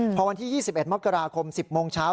พอวันที่๒๑มกราคม๑๐โมงเช้า